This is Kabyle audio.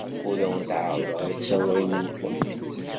Ur awent-ɛerrḍeɣ isawalen-nwent.